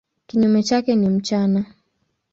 Kinyume chake ni mchana.